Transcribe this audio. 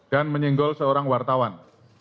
dan menyinggol seorang wartawan